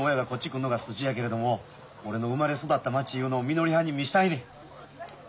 来んのが筋やけれども俺の生まれ育った町いうのをみのりはんに見したいねん。